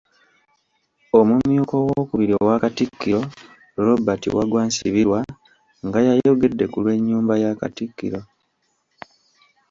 Omumyuka Owookubiri owa Katikkiro, Robert Waggwa Nsibirwa nga yayogedde ku lw'enyumba ya Katikkiro.